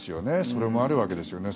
それもあるわけですよね。